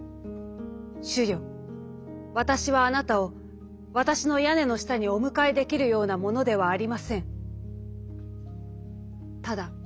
『主よわたしはあなたをわたしの屋根の下にお迎えできるような者ではありません』」。